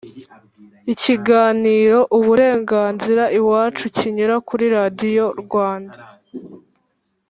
ikiganiro uburenganzira iwacu kinyura kuri radiyo rwanda